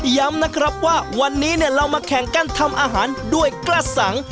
ย้ำนะครับว่าวันนี้เรามาแข่งกันทำอาหารด้วยกระสัง